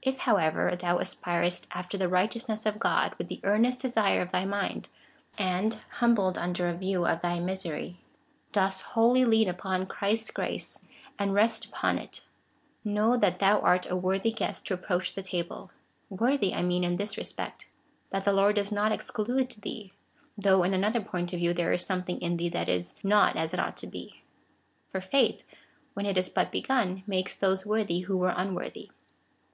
If, however, thou aspirest after the righteousness of God Avith the earnest desire of thy mind, and, humbled under a view of thy misery, dost wholly lean upon Christ's grace, and rest upon it, know that thou art a worthy guest to approach that table — woi^thy I mean in this respect, that the Lord does not exclude thee, though in another point of view there is something in thee that is not as it ought to be. For faith, when it is but begun, makes those worthy who were ^mworthy.